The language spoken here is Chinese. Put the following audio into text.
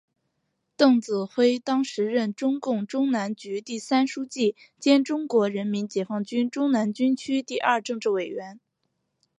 邓子恢当时任中共中南局第三书记兼中国人民解放军中南军区第二政治委员。